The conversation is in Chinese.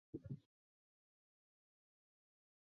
你首先成功粉碎了周政变的阴谋。